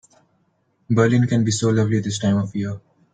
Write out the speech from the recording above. Berlin can be so lovely this time of year.